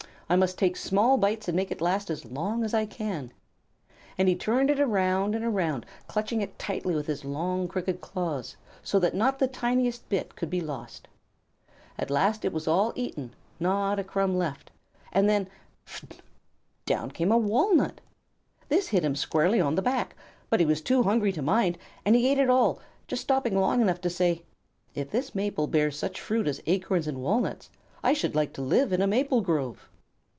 "I must take small bites and make it last as long as I can." And he turned it around and around, clutching it tightly with his long, crooked claws, so that not the tiniest bit could be lost. At last it was all eaten, not a crumb was left, and then "Pft!" down came a walnut. This hit him squarely on the back, but he was too hungry to mind, and he ate it all, just stopping long enough to say: "If this maple bears such fruit as acorns and walnuts, I should like to live in a maple grove."